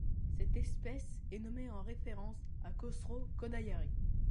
Cette espèce est nommée en référence à Khosro Khodayari.